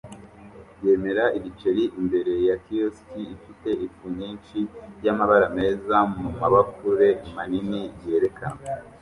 yemera ibiceri imbere ya kiyosiki ifite ifu nyinshi yamabara meza mumabakure manini yerekanwa